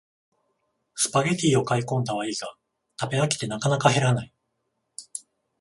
スパゲティを買いこんだはいいが食べ飽きてなかなか減らない